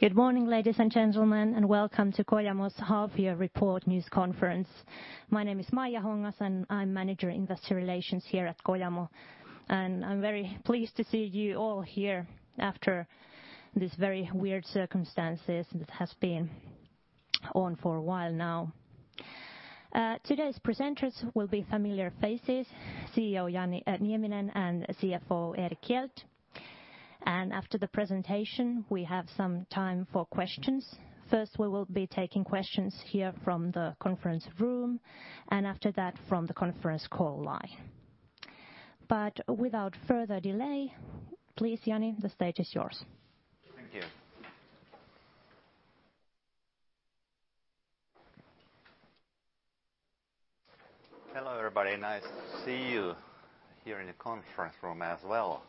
Good morning, ladies and gentlemen, and Welcome to Kojamo's Half-year Report News Conference. My name is Maija Hongas, and I'm Manager Investor Relations here at Kojamo. I'm very pleased to see you all here after these very weird circumstances that have been on for a while now. Today's presenters will be familiar faces: CEO Jani Nieminen and CFO Erik Hjelt. After the presentation, we have some time for questions. First, we will be taking questions here from the conference room, and after that, from the conference call line. Without further delay, please, Jani, the stage is yours. Thank you. Hello, everybody. Nice to see you here in the conference room as well.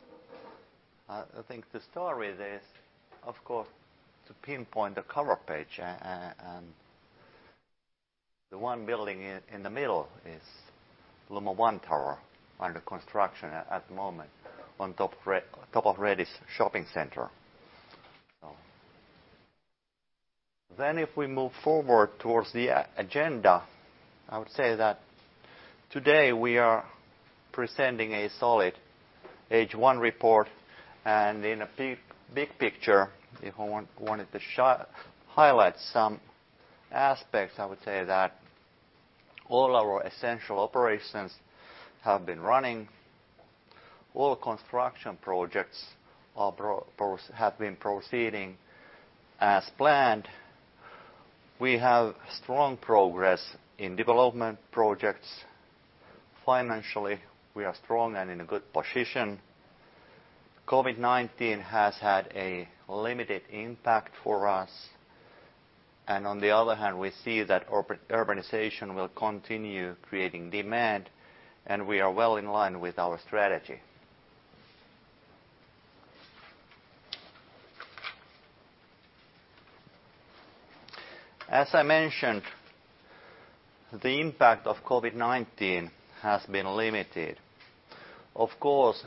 I think the story there is, of course, to pinpoint the cover page. The one building in the middle is Luma One Tower, under construction at the moment, on top of Redis Shopping Center. If we move forward towards the agenda, I would say that today we are presenting a solid H1 report. In a big picture, if I wanted to highlight some aspects, I would say that all our essential operations have been running. All construction projects have been proceeding as planned. We have strong progress in development projects. Financially, we are strong and in a good position. COVID-19 has had a limited impact for us. On the other hand, we see that urbanization will continue creating demand, and we are well in line with our strategy. As I mentioned, the impact of COVID-19 has been limited. Of course,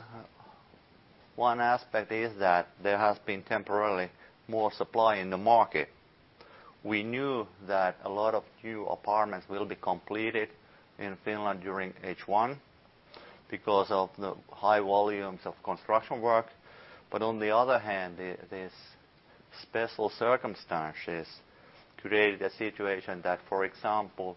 one aspect is that there has been temporarily more supply in the market. We knew that a lot of new apartments will be completed in Finland during H1 because of the high volumes of construction work. On the other hand, these special circumstances created a situation that, for example,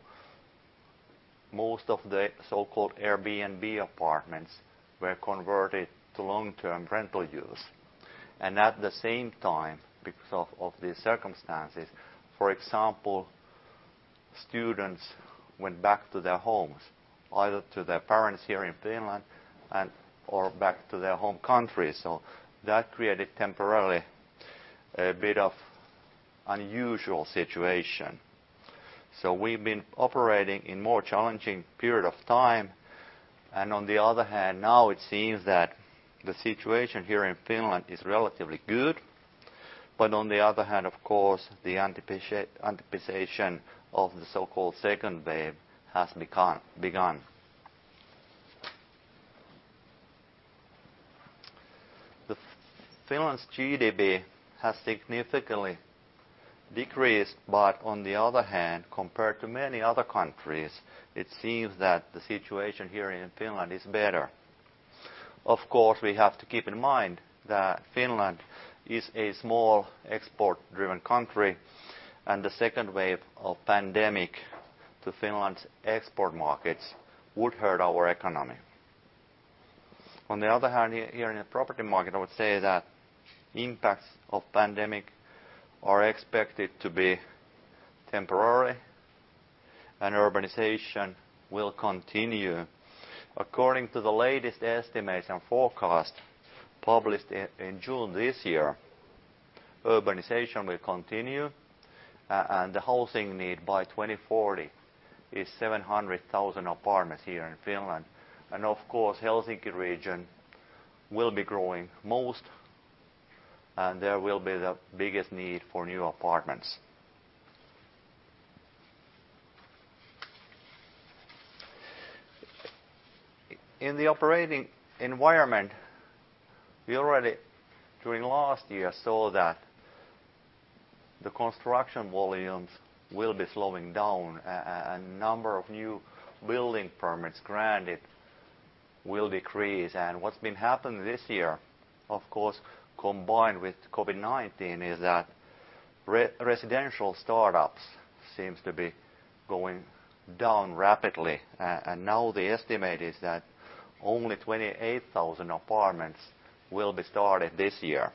most of the so-called Airbnb apartments were converted to long-term rental use. At the same time, because of these circumstances, for example, students went back to their homes, either to their parents here in Finland or back to their home countries. That created temporarily a bit of an unusual situation. We have been operating in a more challenging period of time. On the other hand, now it seems that the situation here in Finland is relatively good. On the other hand, of course, the anticipation of the so-called second wave has begun. Finland's GDP has significantly decreased, but on the other hand, compared to many other countries, it seems that the situation here in Finland is better. Of course, we have to keep in mind that Finland is a small export-driven country, and the second wave of the pandemic to Finland's export markets would hurt our economy. On the other hand, here in the property market, I would say that the impacts of the pandemic are expected to be temporary, and urbanization will continue. According to the latest estimates and forecast published in June this year, urbanization will continue. The housing need by 2040 is 700,000 apartments here in Finland. Of course, the Helsinki region will be growing most, and there will be the biggest need for new apartments. In the operating environment, we already during last year saw that the construction volumes will be slowing down, and the number of new building permits granted will decrease. What's been happening this year, of course, combined with COVID-19, is that residential startups seem to be going down rapidly. Now the estimate is that only 28,000 apartments will be started this year.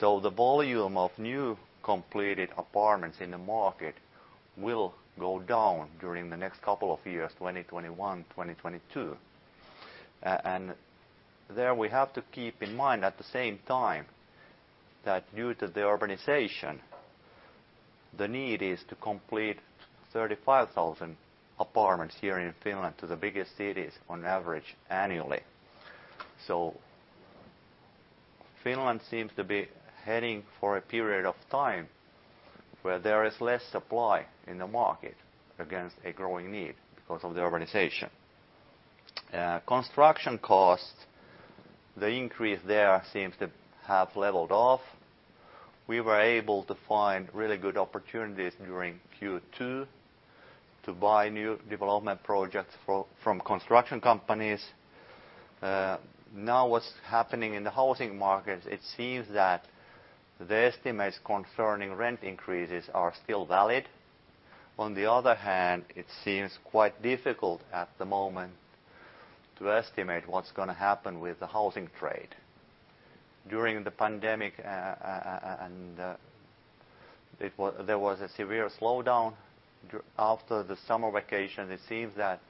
The volume of new completed apartments in the market will go down during the next couple of years, 2021-2022. We have to keep in mind at the same time that due to the urbanization, the need is to complete 35,000 apartments here in Finland to the biggest cities on average annually. Finland seems to be heading for a period of time where there is less supply in the market against a growing need because of the urbanization. Construction costs, the increase there seems to have leveled off. We were able to find really good opportunities during Q2 to buy new development projects from construction companies. Now what's happening in the housing market, it seems that the estimates concerning rent increases are still valid. On the other hand, it seems quite difficult at the moment to estimate what's going to happen with the housing trade. During the pandemic, there was a severe slowdown. After the summer vacation, it seems that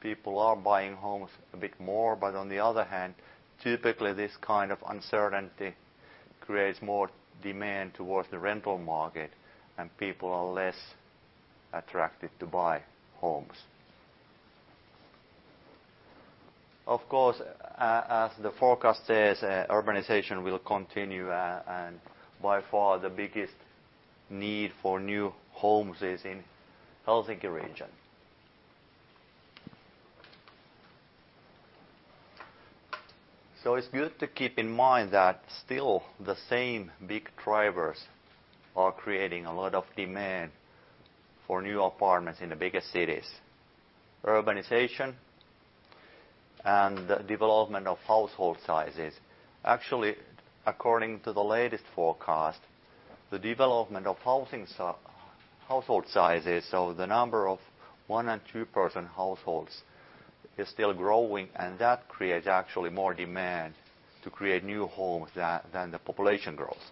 people are buying homes a bit more. On the other hand, typically this kind of uncertainty creates more demand towards the rental market, and people are less attracted to buy homes. Of course, as the forecast says, urbanization will continue, and by far the biggest need for new homes is in the Helsinki region. It's good to keep in mind that still the same big drivers are creating a lot of demand for new apartments in the biggest cities: urbanization and the development of household sizes. Actually, according to the latest forecast, the development of household sizes, so the number of one and two-person households, is still growing, and that creates actually more demand to create new homes than the population grows.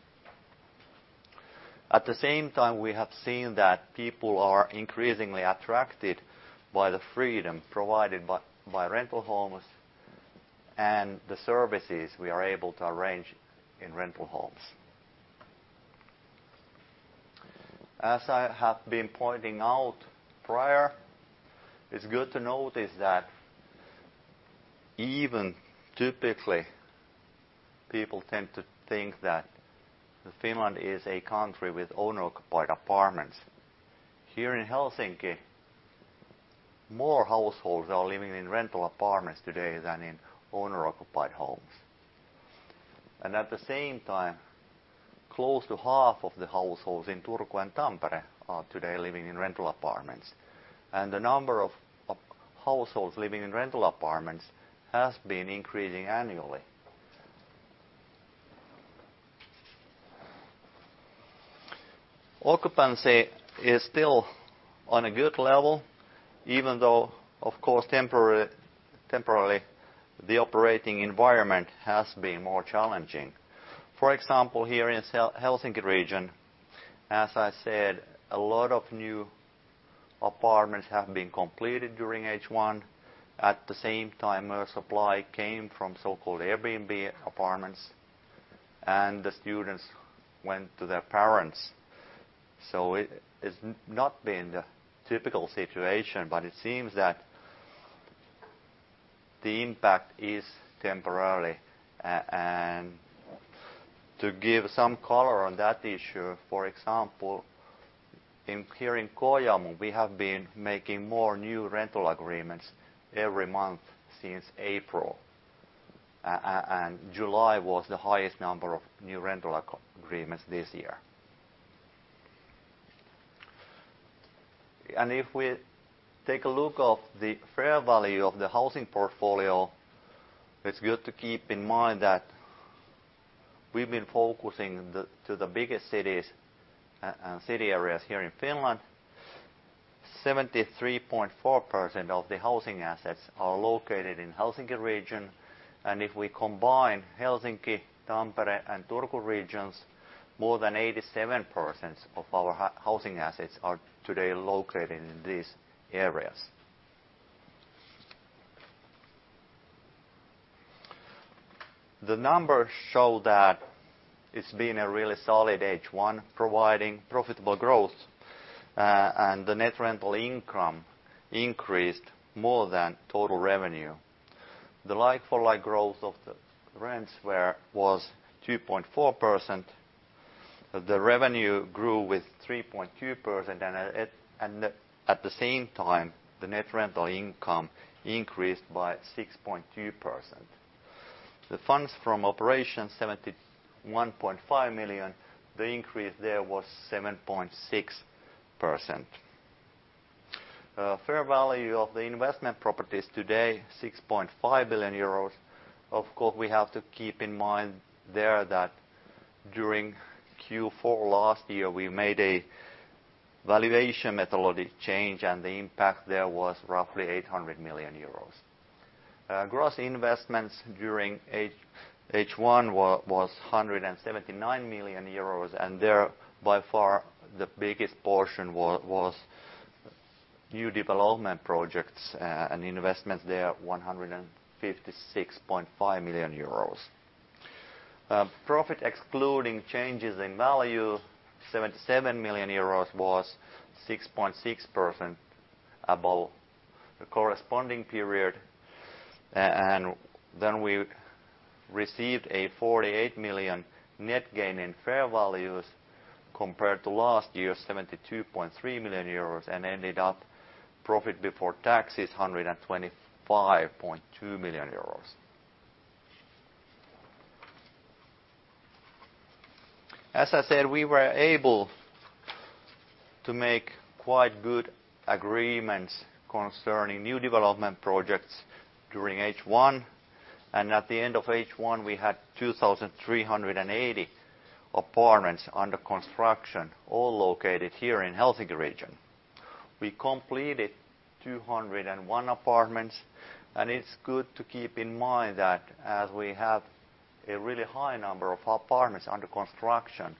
At the same time, we have seen that people are increasingly attracted by the freedom provided by rental homes and the services we are able to arrange in rental homes. As I have been pointing out prior, it's good to notice that even typically people tend to think that Finland is a country with owner-occupied apartments. Here in Helsinki, more households are living in rental apartments today than in owner-occupied homes. At the same time, close to half of the households in Turku and Tampere are today living in rental apartments. The number of households living in rental apartments has been increasing annually. Occupancy is still on a good level, even though, of course, temporarily the operating environment has been more challenging. For example, here in the Helsinki region, as I said, a lot of new apartments have been completed during H1. At the same time, more supply came from so-called Airbnb apartments, and the students went to their parents. It is not the typical situation, but it seems that the impact is temporary. To give some color on that issue, for example, here in Kojamo, we have been making more new rental agreements every month since April. July was the highest number of new rental agreements this year. If we take a look at the fair value of the housing portfolio, it's good to keep in mind that we've been focusing on the biggest cities and city areas here in Finland. 73.4% of the housing assets are located in the Helsinki region. If we combine Helsinki, Tampere, and Turku regions, more than 87% of our housing assets are today located in these areas. The numbers show that it's been a really solid H1, providing profitable growth. The net rental income increased more than total revenue. The like-for-like growth of the rents was 2.4%. The revenue grew 3.2%. At the same time, the net rental income increased by 6.2%. The funds from operations, 71.5 million, the increase there was 7.6%. Fair value of the investment properties today, 6.5 billion euros. Of course, we have to keep in mind there that during Q4 last year, we made a valuation methodology change, and the impact there was roughly 800 million euros. Gross investments during H1 was 179 million euros. There, by far, the biggest portion was new development projects and investments there, 156.5 million euros. Profit excluding changes in value, 77 million euros, was 6.6% above the corresponding period. We received a 48 million net gain in fair values compared to last year, 72.3 million euros, and ended up profit before taxes, 125.2 million euros. As I said, we were able to make quite good agreements concerning new development projects during H1. At the end of H1, we had 2,380 apartments under construction, all located here in the Helsinki region. We completed 201 apartments. It is good to keep in mind that as we have a really high number of apartments under construction,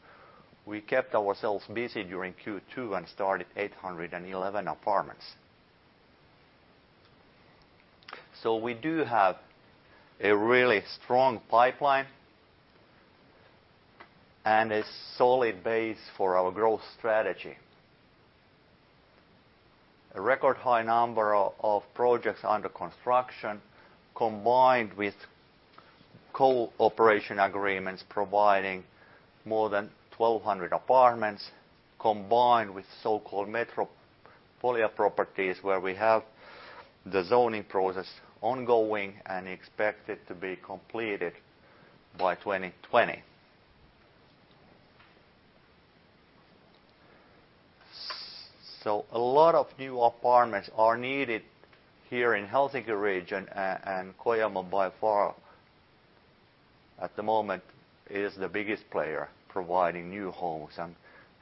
we kept ourselves busy during Q2 and started 811 apartments. We do have a really strong pipeline and a solid base for our growth strategy. A record high number of projects under construction combined with co-operation agreements providing more than 1,200 apartments, combined with so-called Metropolia properties where we have the zoning process ongoing and expected to be completed by 2020. A lot of new apartments are needed here in the Helsinki region. Kojamo, by far, at the moment, is the biggest player providing new homes and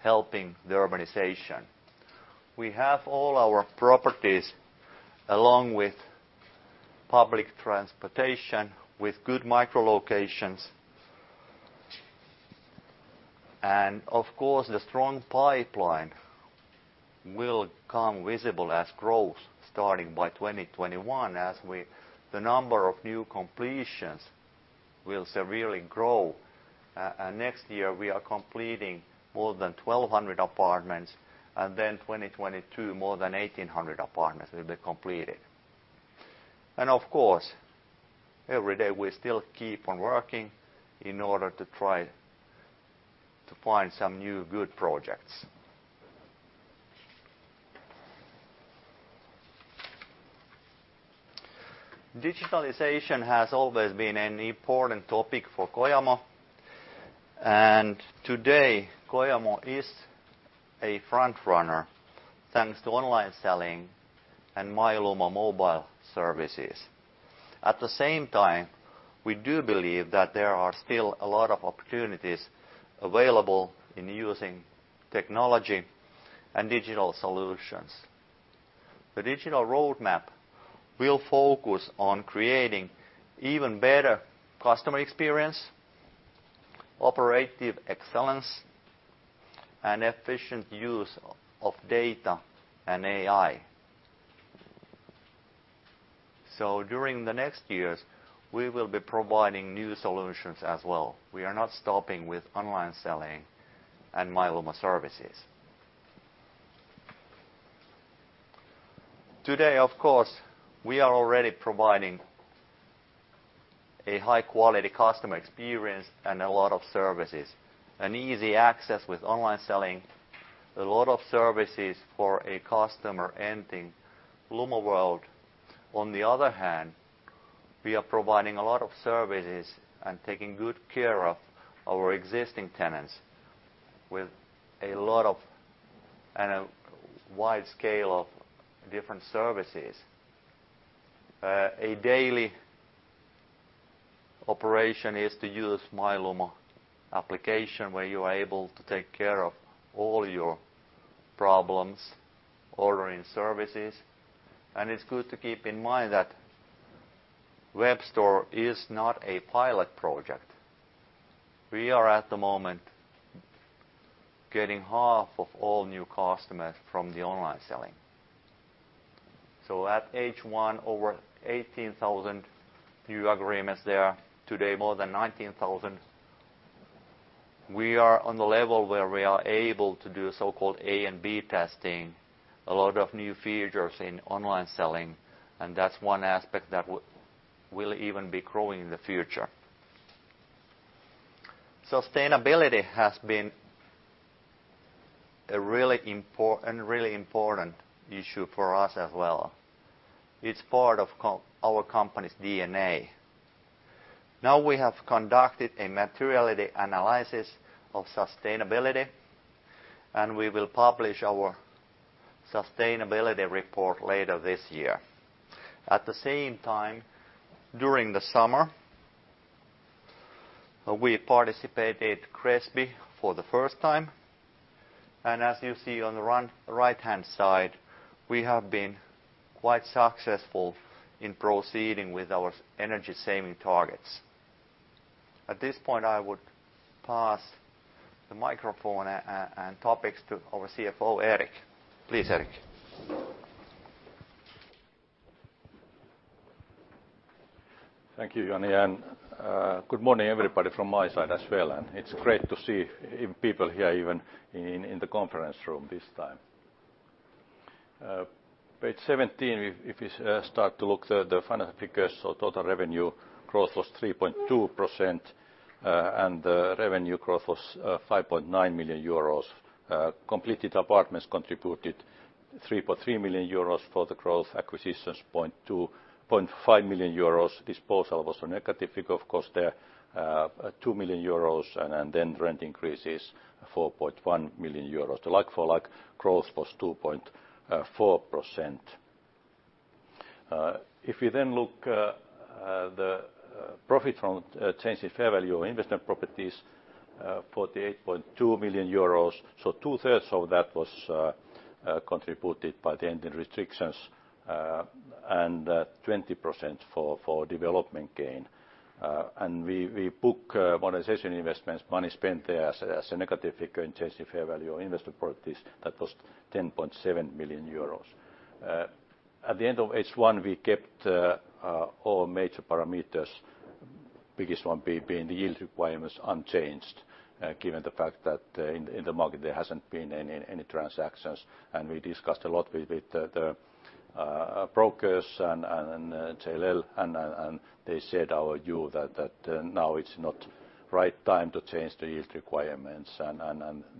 helping the urbanization. We have all our properties along with public transportation with good micro-locations. The strong pipeline will come visible as growth starting by 2021 as the number of new completions will severely grow. Next year, we are completing more than 1,200 apartments. In 2022, more than 1,800 apartments will be completed. Of course, every day we still keep on working in order to try to find some new good projects. Digitalization has always been an important topic for Kojamo. Today, Kojamo is a frontrunner thanks to online selling and MyLuma mobile services. At the same time, we do believe that there are still a lot of opportunities available in using technology and digital solutions. The digital roadmap will focus on creating even better customer experience, operative excellence, and efficient use of data and AI. During the next years, we will be providing new solutions as well. We are not stopping with online selling and MyLuma services. Today, of course, we are already providing a high-quality customer experience and a lot of services. Easy access with online selling, a lot of services for a customer entering LumaWorld. On the other hand, we are providing a lot of services and taking good care of our existing tenants with a lot of and a wide scale of different services. A daily operation is to use MyLuma application where you are able to take care of all your problems ordering services. It is good to keep in mind that WebStore is not a pilot project. We are at the moment getting half of all new customers from the online selling. At H1, over 18,000 new agreements there. Today, more than 19,000. We are on the level where we are able to do so-called A and B testing, a lot of new features in online selling. That is one aspect that will even be growing in the future. Sustainability has been a really important issue for us as well. It's part of our company's DNA. Now we have conducted a materiality analysis of sustainability, and we will publish our sustainability report later this year. At the same time, during the summer, we participated in GRESB for the first time. As you see on the right-hand side, we have been quite successful in proceeding with our energy-saving targets. At this point, I would pass the microphone and topics to our CFO, Erik. Please, Erik. Thank you, Jani, and good morning everybody from my side as well. It's great to see people here even in the conference room this time. Page 17, if you start to look at the final figures, total revenue growth was 3.2% and the revenue growth was 5.9 million euros. Completed apartments contributed 3.3 million euros for the growth, acquisitions 0.2 million euros to 0.5 million. Disposal was a negative figure, of course, there, 2 million euros, and then rent increases 4.1 million euros. The like-for-like growth was 2.4%. If we then look at the profit from changing fair value of investment properties, 48.2 million euros. Two-thirds of that was contributed by the ending restrictions and 20% for development gain. We booked modernization investments, money spent there as a negative figure in changing fair value of investment properties. That was 10.7 million euros. At the end of H1, we kept all major parameters. The biggest one being the yield requirements unchanged given the fact that in the market there has not been any transactions. We discussed a lot with the brokers and JLL, and they said our view that now it is not the right time to change the yield requirements.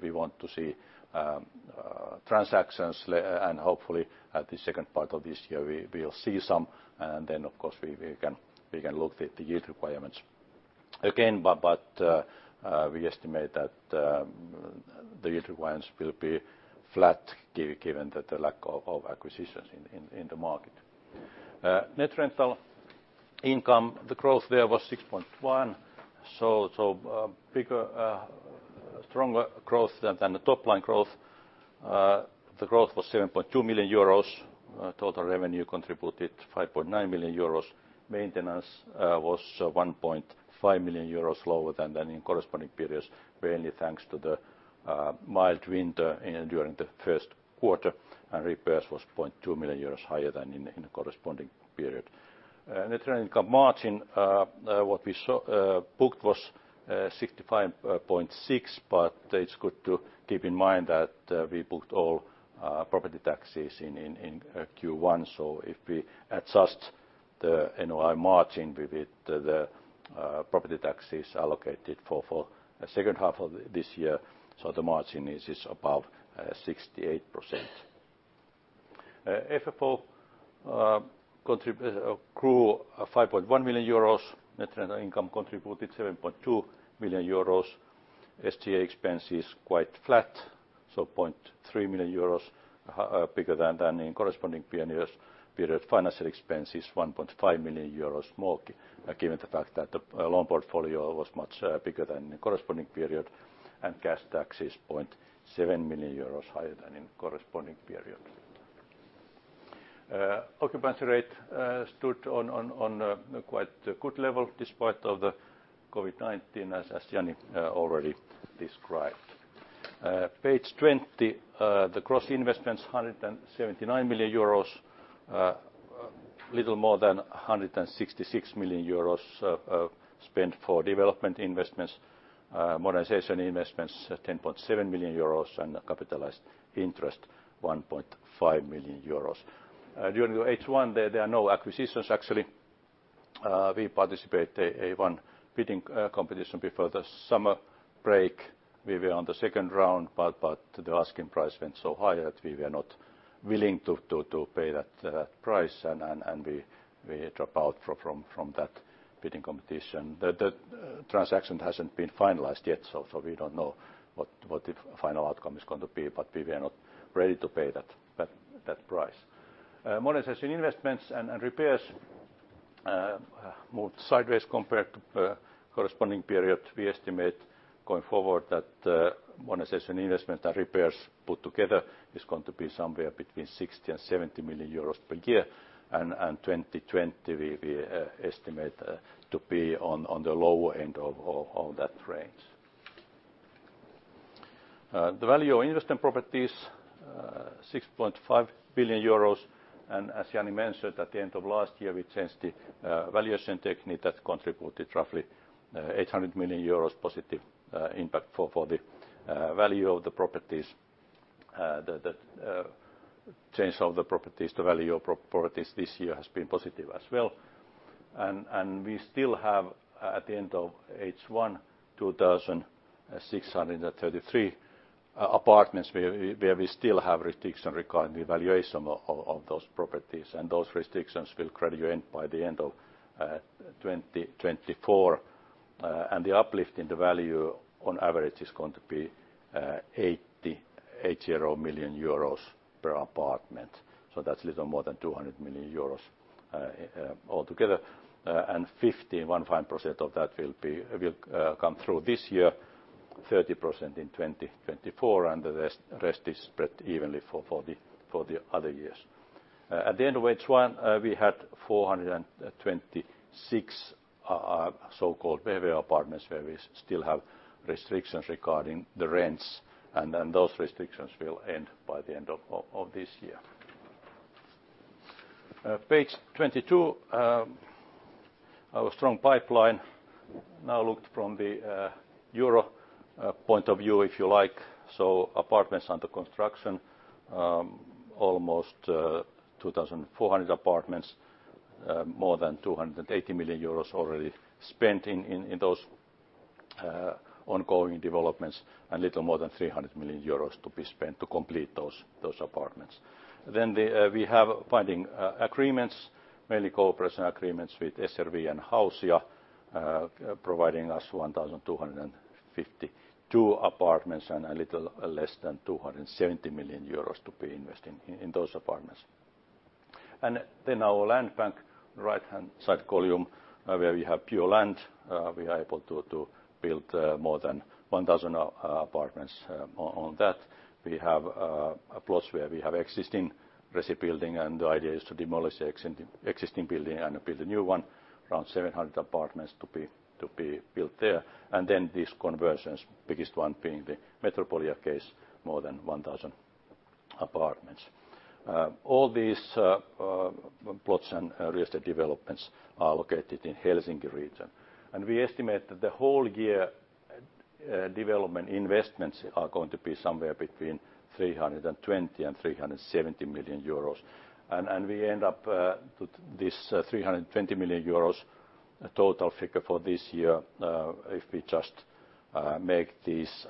We want to see transactions, and hopefully at the second part of this year we'll see some. Of course, we can look at the yield requirements again, but we estimate that the yield requirements will be flat given the lack of acquisitions in the market. Net rental income, the growth there was 6.1%, so bigger, stronger growth than the top-line growth. The growth was 7.2 million euros. Total revenue contributed 5.9 million euros. Maintenance was 1.5 million euros lower than in corresponding periods, mainly thanks to the mild winter during the first quarter. Repairs was 0.2 million euros higher than in the corresponding period. Net rental income margin, what we booked was 65.6%, but it's good to keep in mind that we booked all property taxes in Q1. If we adjust the NOI margin with the property taxes allocated for the second half of this year, the margin is about 68%. FFO grew 5.1 million euros. Net rental income contributed 7.2 million euros. SGA expenses quite flat, so 0.3 million euros bigger than in corresponding periods. Financial expenses 1.5 million euros more given the fact that the loan portfolio was much bigger than in the corresponding period. And gas taxes 0.7 million euros higher than in corresponding period. Occupancy rate stood on quite a good level despite the COVID-19, as Jani already described. Page 20, the gross investments, 179 million euros, little more than 166 million euros spent for development investments, modernization investments 10.7 million euros, and capitalized interest 1.5 million euros. During H1, there are no acquisitions actually. We participated in one bidding competition before the summer break. We were on the second round, but the asking price went so high that we were not willing to pay that price, and we dropped out from that bidding competition. The transaction has not been finalized yet, so we do not know what the final outcome is going to be, but we were not ready to pay that price. Modernization investments and repairs moved sideways compared to the corresponding period. We estimate going forward that modernization investments and repairs put together is going to be somewhere between 60 million and 70 million euros per year. In 2020, we estimate to be on the lower end of that range. The value of investment properties, 6.5 billion euros. As Jani mentioned, at the end of last year, we changed the valuation technique that contributed roughly 800 million euros positive impact for the value of the properties. The change of the properties, the value of properties this year has been positive as well. We still have, at the end of H1, 2,633 apartments where we still have restrictions regarding the valuation of those properties. Those restrictions will graduate by the end of 2024. The uplift in the value on average is going to be 88 million euros per apartment. That is a little more than 200 million euros altogether. 1.5% of that will come through this year, 30% in 2024, and the rest is spread evenly for the other years. At the end of H1, we had 426 so-called VEVE apartments where we still have restrictions regarding the rents. Those restrictions will end by the end of this year. Page 22, our strong pipeline now looked from the euro point of view, if you like. Apartments under construction, almost 2,400 apartments, more than 280 million euros already spent in those ongoing developments, and a little more than 300 million euros to be spent to complete those apartments. We have binding agreements, mainly cooperation agreements with SRV and Hausia, providing us 1,252 apartments and a little less than 270 million euros to be invested in those apartments. Our land bank, right-hand side column, where we have pure land, we are able to build more than 1,000 apartments on that. We have a plot where we have an existing residential building, and the idea is to demolish the existing building and build a new one, around 700 apartments to be built there. These conversions, biggest one being the Metropolia case, more than 1,000 apartments. All these plots and real estate developments are located in the Helsinki region. We estimate that the whole year development investments are going to be somewhere between 320 million and 370 million euros. We end up with this 320 million euros total figure for this year if we just make these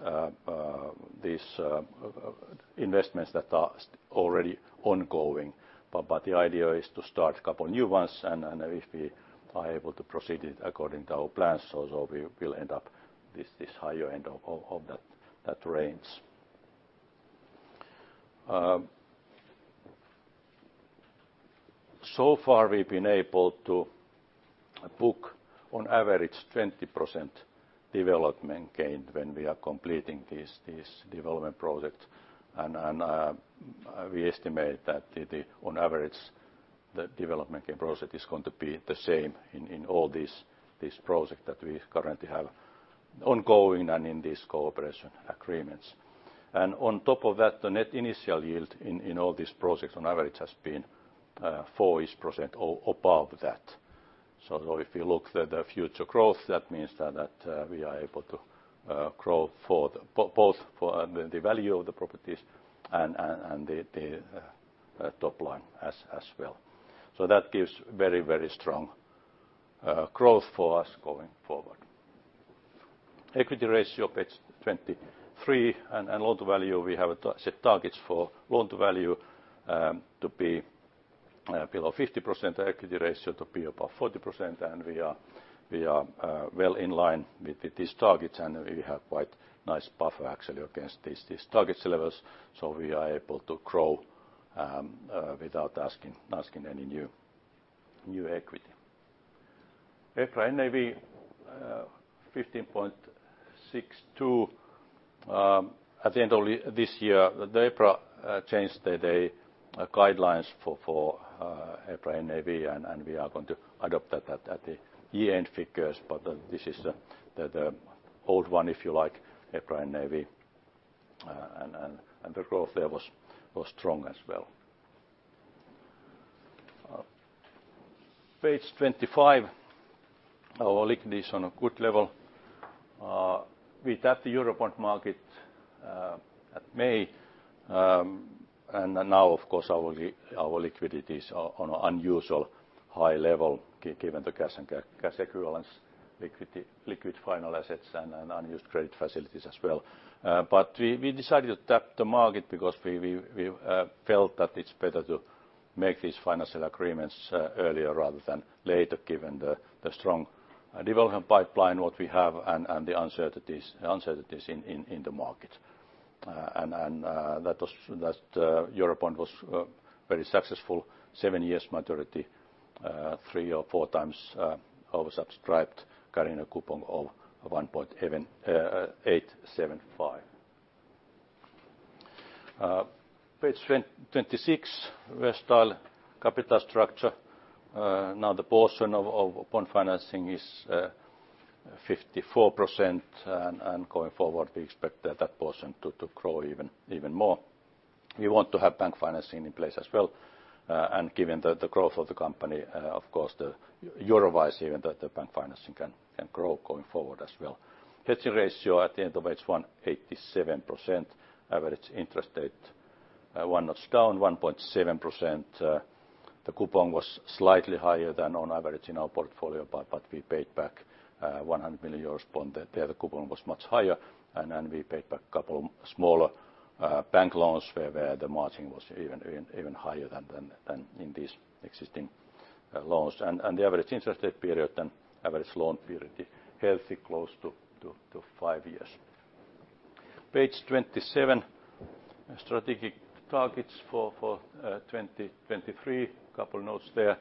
investments that are already ongoing. The idea is to start a couple of new ones, and if we are able to proceed according to our plans, we will end up at the higher end of that range. So far, we've been able to book on average 20% development gain when we are completing these development projects. We estimate that on average, the development gain is going to be the same in all these projects that we currently have ongoing and in these cooperation agreements. On top of that, the net initial yield in all these projects on average has been 4% or above that. If we look at the future growth, that means that we are able to grow both the value of the properties and the top line as well. That gives very, very strong growth for us going forward. Equity ratio page 23 and loan to value, we have set targets for loan to value to be below 50%, equity ratio to be above 40%. We are well in line with these targets, and we have quite nice buffer actually against these target levels. We are able to grow without asking any new equity. EPRA NAV EUR 15.62. At the end of this year, the EPRA changed the guidelines for EPRA NAV, and we are going to adopt that at the year-end figures. This is the old one, if you like, EPRA NAV. The growth there was strong as well. Page 25, our liquidity is on a good level. We tapped the euro bond market at May. Now, of course, our liquidity is on an unusually high level given the cash equivalents, liquid financial assets, and unused credit facilities as well. We decided to tap the market because we felt that it is better to make these financial agreements earlier rather than later given the strong development pipeline that we have and the uncertainties in the market. That euro bond was very successful, seven years maturity, three or four times oversubscribed, carrying a coupon of 1.875%. Page 26, versatile capital structure. Now the portion of bond financing is 54%, and going forward, we expect that portion to grow even more. We want to have bank financing in place as well. Given the growth of the company, of course, euro wise, even the bank financing can grow going forward as well. Hedging ratio at the end of H1, 87%. Average interest rate one notch down, 1.7%. The coupon was slightly higher than on average in our portfolio, but we paid back 100 million euros bond. The other coupon was much higher, and we paid back a couple of smaller bank loans where the margin was even higher than in these existing loans. The average interest rate period and average loan period is healthy, close to five years. Page 27, strategic targets for 2023. A couple of notes there.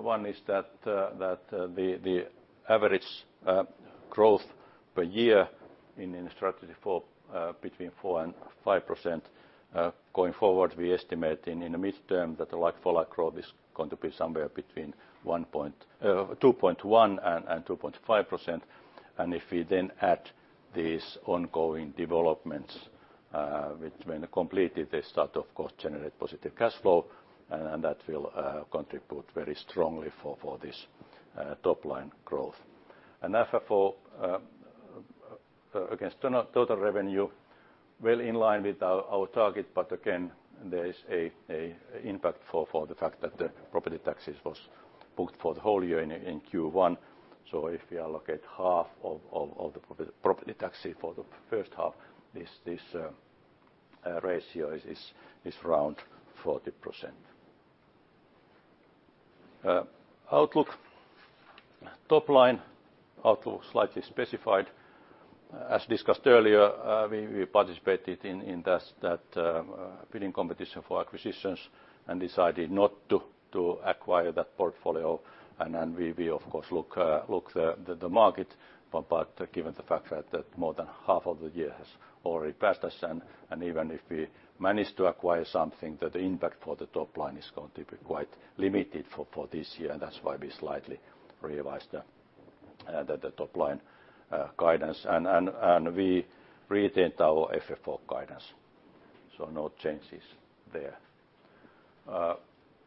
One is that the average growth per year in strategy for between 4% to 5%. Going forward, we estimate in the midterm that the likelihood of growth is going to be somewhere between 2.1% to 2.5%. If we then add these ongoing developments which may not complete, they start, of course, to generate positive cash flow, and that will contribute very strongly for this top-line growth. FFO against total revenue, well in line with our target, but again, there is an impact for the fact that the property taxes was booked for the whole year in Q1. If we allocate half of the property taxes for the first half, this ratio is around 40%. Outlook, top line, outlook slightly specified. As discussed earlier, we participated in that bidding competition for acquisitions and decided not to acquire that portfolio. We will, of course, look at the market, but given the fact that more than half of the year has already passed us. Even if we manage to acquire something, the impact for the top line is going to be quite limited for this year. That is why we slightly revised the top line guidance. We retained our FFO guidance. No changes there.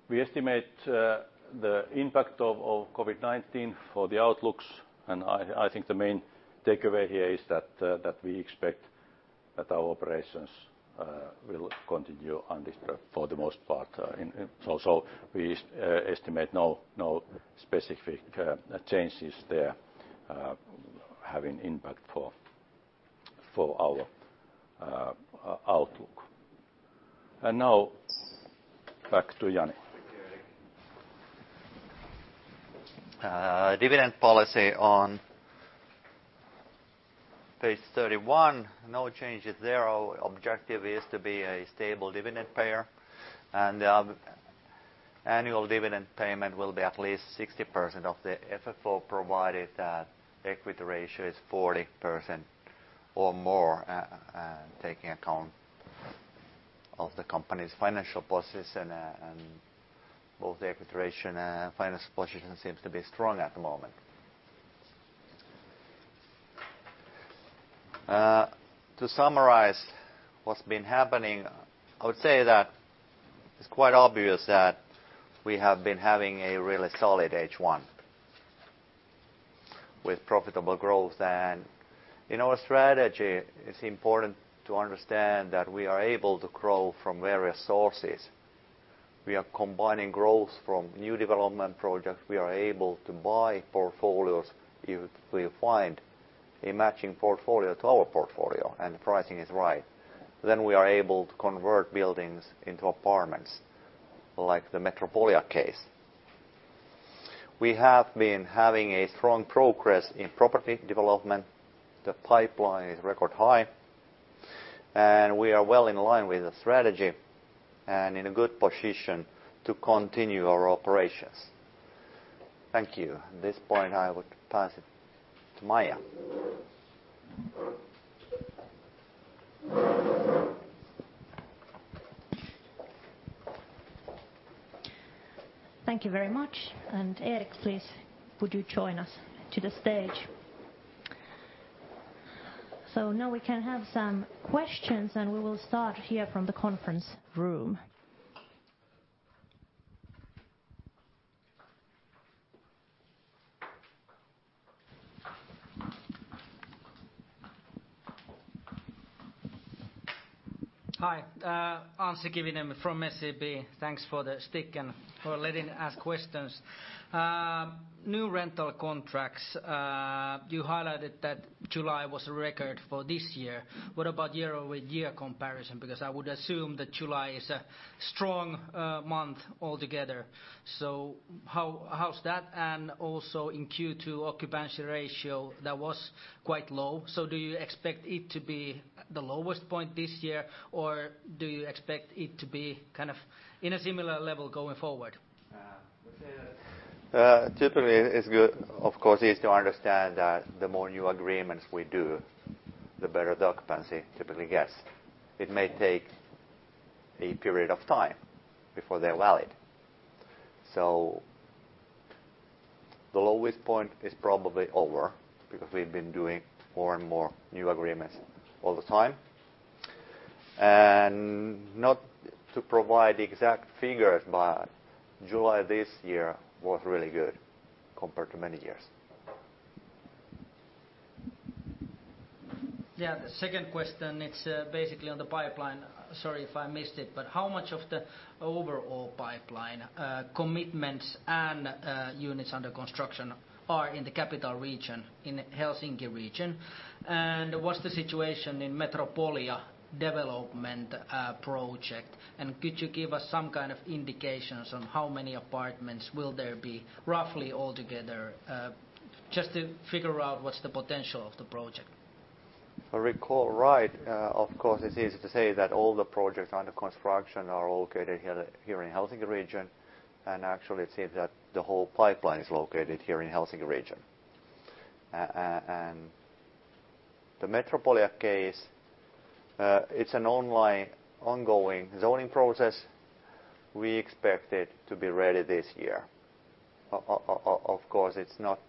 We estimate the impact of COVID-19 for the outlooks. I think the main takeaway here is that we expect that our operations will continue for the most part. We estimate no specific changes there having impact for our outlook. Now back to Jani. Dividend policy on page 31, no changes there. Our objective is to be a stable dividend payer. The annual dividend payment will be at least 60% of the FFO provided that equity ratio is 40% or more, taking account of the company's financial position. Both the equity ratio and financial position seem to be strong at the moment. To summarize what's been happening, I would say that it's quite obvious that we have been having a really solid H1 with profitable growth. In our strategy, it's important to understand that we are able to grow from various sources. We are combining growth from new development projects. We are able to buy portfolios if we find a matching portfolio to our portfolio and the pricing is right. We are able to convert buildings into apartments like the Metropolia case. We have been having strong progress in property development. The pipeline is record high, and we are well in line with the strategy and in a good position to continue our operations. Thank you. At this point, I would pass it to Maija. Thank you very much. Erik, please, would you join us to the stage? Now we can have some questions, and we will start here from the conference room. Hi. Anssi Kiviniemi from SEB. Thanks for the stick and for letting us ask questions. New rental contracts, you highlighted that July was a record for this year. What about year-over-year comparison? Because I would assume that July is a strong month altogether. How is that? Also, in Q2, occupancy ratio, that was quite low. Do you expect it to be the lowest point this year, or do you expect it to be kind of in a similar level going forward? Typically, it is good, of course, to understand that the more new agreements we do, the better the occupancy typically gets. It may take a period of time before they are valid. The lowest point is probably over because we have been doing more and more new agreements all the time. Not to provide exact figures, but July this year was really good compared to many years. Yeah. The second question, it's basically on the pipeline. Sorry if I missed it, but how much of the overall pipeline commitments and units under construction are in the capital region, in Helsinki region? What's the situation in the Metropolia development project? Could you give us some kind of indications on how many apartments will there be roughly altogether just to figure out what's the potential of the project? If I recall right, of course, it's easy to say that all the projects under construction are located here in Helsinki region. Actually, it seems that the whole pipeline is located here in Helsinki region. In the Metropolia case, it's an ongoing zoning process. We expect it to be ready this year. Of course, it's not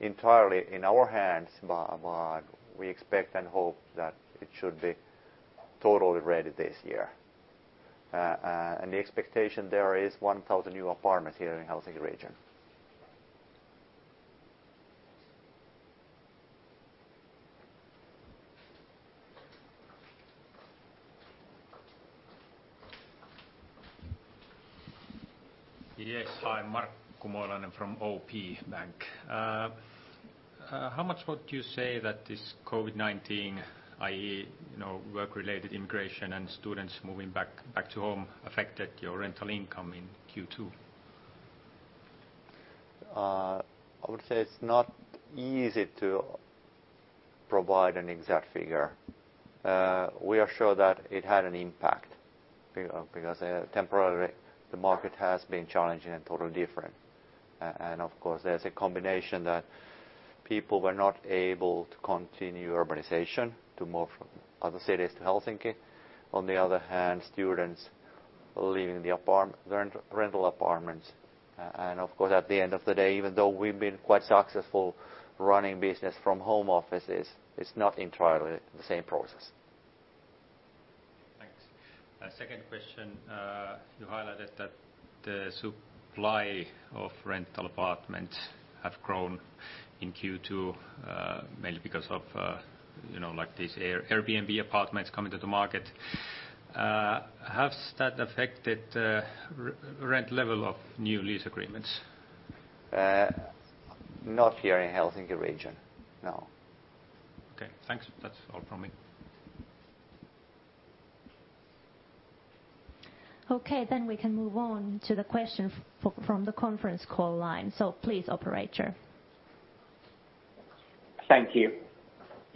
entirely in our hands, but we expect and hope that it should be totally ready this year. The expectation there is 1,000 new apartments here in Helsinki region. Yes. Hi, Markku Moilainen from OP Bank. How much would you say that this COVID-19, i.e., work-related immigration and students moving back to home, affected your rental income in Q2? I would say it's not easy to provide an exact figure. We are sure that it had an impact because temporarily the market has been challenging and totally different. There is a combination that people were not able to continue urbanization to move from other cities to Helsinki. On the other hand, students leaving the rental apartments. At the end of the day, even though we've been quite successful running business from home offices, it's not entirely the same process. Thanks. Second question, you highlighted that the supply of rental apartments has grown in Q2 mainly because of these Airbnb apartments coming to the market. Has that affected the rent level of new lease agreements? Not here in Helsinki region. No. Okay. Thanks. That is all from me. Okay. We can move on to the question from the conference call line. Please, operator. Thank you.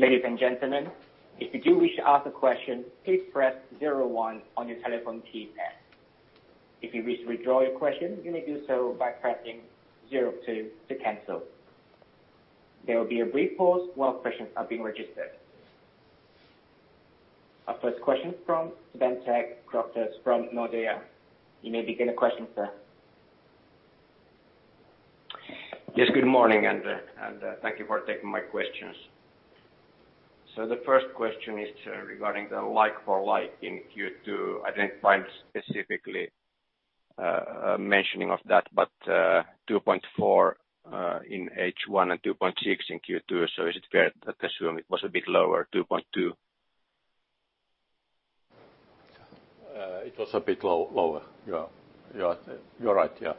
Ladies and gentlemen, if you do wish to ask a question, please press zero one on your telephone keypad. If you wish to withdraw your question, you may do so by pressing zero two to cancel. There will be a brief pause while questions are being registered. Our first question from Ben Tetchner from Nordea. You may begin your question, sir. Yes. Good morning, and thank you for taking my questions. The first question is regarding the likelihood of likely in Q2. I did not find specifically mentioning of that, but 2.4 in H1 and 2.6 in Q2. Is it fair to assume it was a bit lower, 2.2? It was a bit lower. Yeah. You are right. Yeah.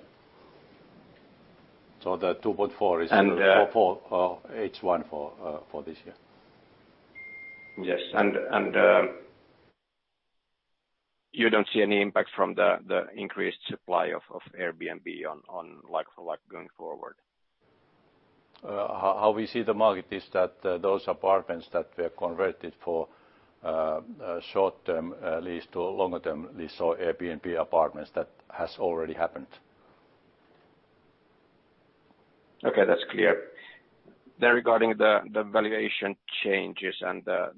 The 2.4 is for H1 for this year. Yes. You do not see any impact from the increased supply of Airbnb on likelihood of likely going forward? How we see the market is that those apartments that were converted for short-term lease to longer-term lease or Airbnb apartments, that has already happened. Okay. That is clear. Regarding the valuation changes and the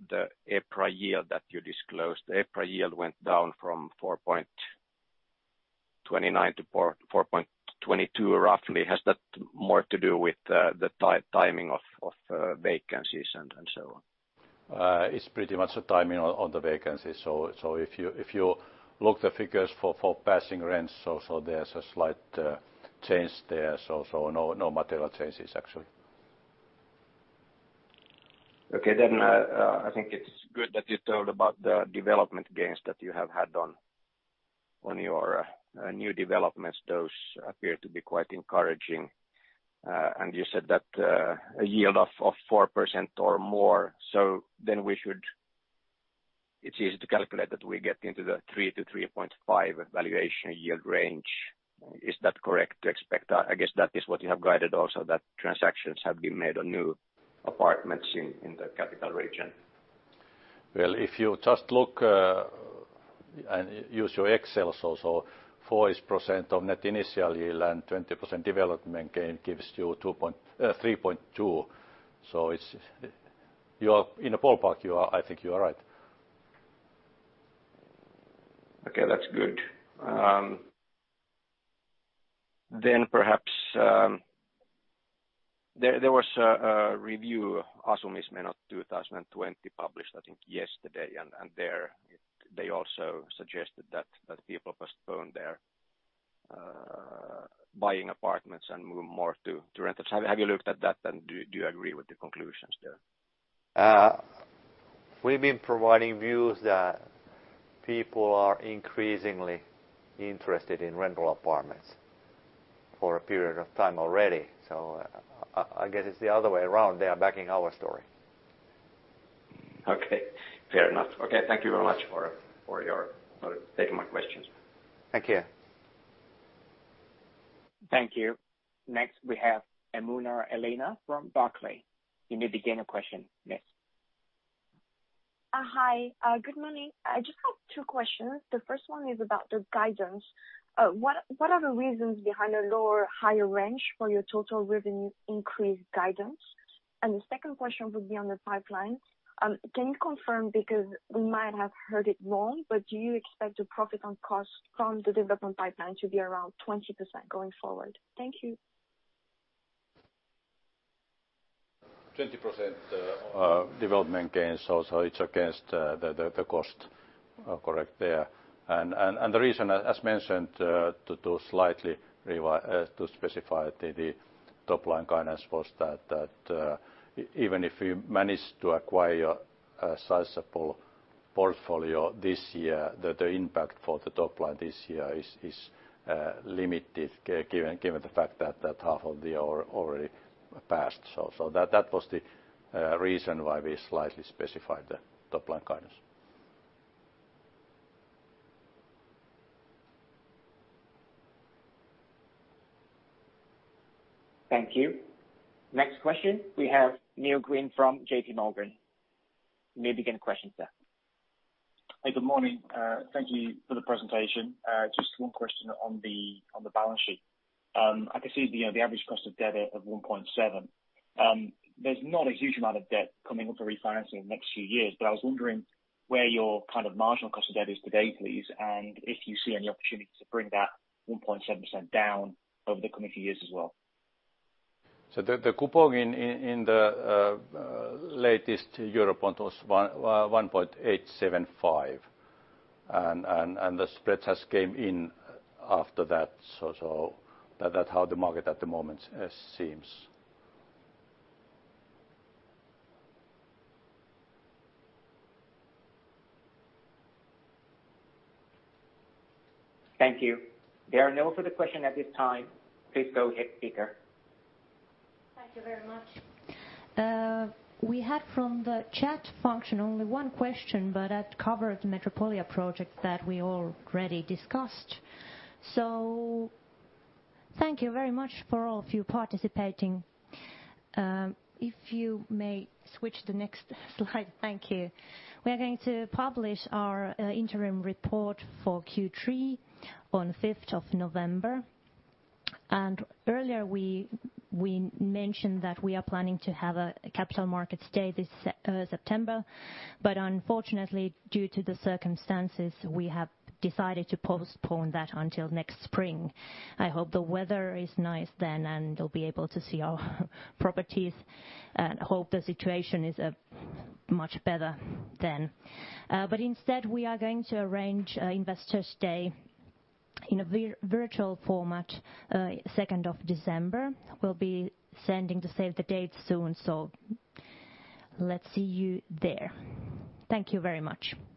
EPRA yield that you disclosed, the EPRA yield went down from 4.29% to 4.22% roughly. Has that more to do with the timing of vacancies and so on? It is pretty much the timing of the vacancies. If you look at the figures for passing rent, there's a slight change there. No material changes, actually. Okay. I think it's good that you told about the development gains that you have had on your new developments. Those appear to be quite encouraging. You said that a yield of 4% or more. We should, it's easy to calculate that we get into the 3% to 3.5% valuation yield range. Is that correct to expect? I guess that is what you have guided also, that transactions have been made on new apartments in the capital region. If you just look and use your Excel, 4% net initial yield and 20% development gain gives you 3.2%. In the ballpark, I think you are right. Okay. That's good. Perhaps there was a review, Asumismenot 2020, published, I think, yesterday. There they also suggested that people postponed their buying apartments and move more to rentals. Have you looked at that, and do you agree with the conclusions there? We've been providing views that people are increasingly interested in rental apartments for a period of time already. I guess it's the other way around. They are backing our story. Okay. Fair enough. Thank you very much for taking my questions. Thank you. Thank you. Next, we have Elina from Barclays. You may begin a question. Yes. Hi. Good morning. I just have two questions. The first one is about the guidance. What are the reasons behind a lower-higher range for your total revenue increase guidance? The second question would be on the pipeline. Can you confirm, because we might have heard it wrong, but do you expect the profit on cost from the development pipeline to be around 20% going forward? Thank you. 20% development gains. So it's against the cost, correct there. The reason, as mentioned, to specify the top line guidance was that even if we manage to acquire a sizable portfolio this year, the impact for the top line this year is limited, given the fact that half of the year already passed. That was the reason why we slightly specified the top line guidance. Thank you. Next question, we have Neil Green from JPMorgan. You may begin a question, sir. Hi. Good morning. Thank you for the presentation. Just one question on the balance sheet. I can see the average cost of debt of 1.7. There's not a huge amount of debt coming up for refinancing in the next few years, but I was wondering where your kind of marginal cost of debt is today, please, and if you see any opportunity to bring that 1.7% down over the coming few years as well. The coupon in the latest year upon was 1.875%. The spreads have come in after that. That is how the market at the moment seems. Thank you. There are no further questions at this time. Please go ahead, speaker. Thank you very much. We had from the chat function only one question, but that covered the Metropolia project that we already discussed. Thank you very much for all of you participating. If you may switch to the next slide. Thank you. We are going to publish our interim report for Q3 on 5th of November. Earlier, we mentioned that we are planning to have a capital markets day this September. Unfortunately, due to the circumstances, we have decided to postpone that until next spring. I hope the weather is nice then, and you'll be able to see our properties. I hope the situation is much better then. Instead, we are going to arrange investors' day in a virtual format 2nd of December. We'll be sending the date soon. Let's see you there. Thank you very much. Thank you.